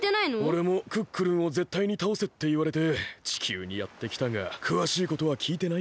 おれもクックルンをぜったいにたおせっていわれて地球にやってきたがくわしいことはきいてないんだ。